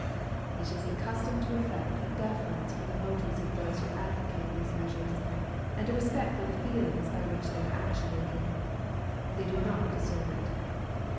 It is the custom to affect a deference for the motives of those who advocate these measures, and a respect for the feelings by which they are actuated. They do not deserve it.